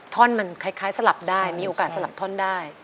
ท่อนมันคล้ายสลับได้มีโอกาสสลับท่อนได้